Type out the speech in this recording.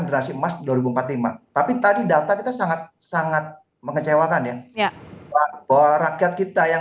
generasi emas dua ribu empat puluh lima tapi tadi data kita sangat sangat mengecewakan ya bahwa rakyat kita yang